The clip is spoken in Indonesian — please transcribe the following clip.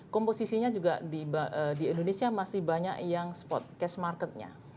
komposisinya juga di indonesia masih banyak yang spot cash marketnya